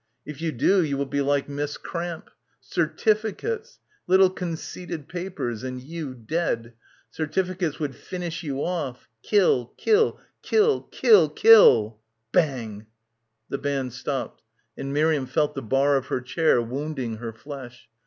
"If you do you will be like Miss Cramp. Certificates — little conceited papers, and you dead. Certificates would finish you off —Kill— Kill— Kill— Kill— Kill! /" Bang. The band stopped and Miriam felt the bar of her chair wounding her flesh.